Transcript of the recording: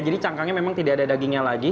jadi cangkangnya memang tidak ada dagingnya lagi